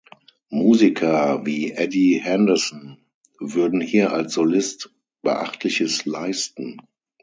Musiker wie Eddie Henderson würden hier als Solist beachtliches leisten.